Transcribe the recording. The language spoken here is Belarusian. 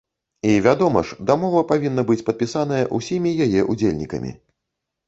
І, вядома ж, дамова павінна быць падпісаная ўсімі яе ўдзельнікамі.